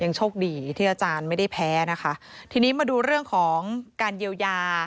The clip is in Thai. โชคดีที่อาจารย์ไม่ได้แพ้นะคะทีนี้มาดูเรื่องของการเยียวยา